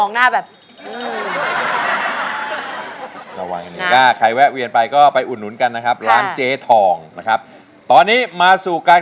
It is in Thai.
ก็ชิมทุกร้านมันก็อิ่มแล้วกว่าจะถึงร้านสุดท้าย